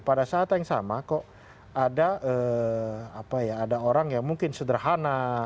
pada saat yang sama kok ada orang yang mungkin sederhana